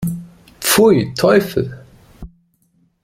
Pfui, Teufel!